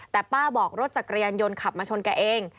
แต่ป้าบอกรถจักรยานยนต์ขับมาชนแกเอง